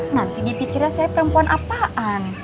nanti dipikirnya saya perempuan apaan